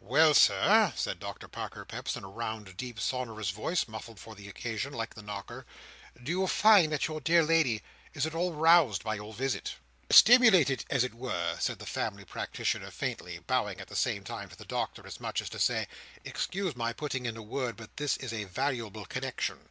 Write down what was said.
"Well, Sir," said Doctor Parker Peps in a round, deep, sonorous voice, muffled for the occasion, like the knocker; "do you find that your dear lady is at all roused by your visit?" "Stimulated as it were?" said the family practitioner faintly: bowing at the same time to the Doctor, as much as to say, "Excuse my putting in a word, but this is a valuable connexion."